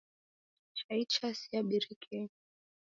Chai chasia birikenyi.